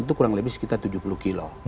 itu kurang lebih sekitar tujuh puluh kilo